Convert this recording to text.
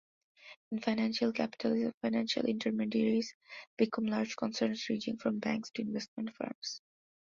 In financial capitalism, financial intermediaries become large concerns, ranging from banks to investment firms.